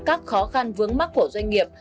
các khó khăn vướng mắc của doanh nghiệp